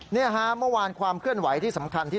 นี่ฮะเมื่อวานความเคลื่อนไหวที่สำคัญที่